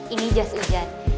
ini jas hujan